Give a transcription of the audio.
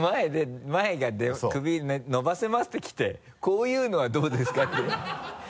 首伸ばせますって来て「こういうのはどうですか？」ってやめて。